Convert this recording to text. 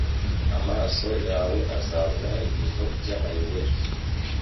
Amaso yawe azabona ibintu by’amayobera